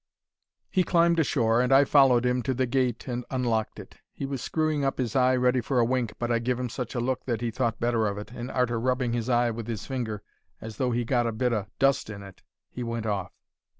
"He climbed ashore, and I follered 'im to the gate and unlocked it. He was screwing up 'is eye ready for a wink, but I give 'im such a look that he thought better of it, and, arter rubbing his eye with 'is finger as though he 'ad got a bit o' dust in it, he went off.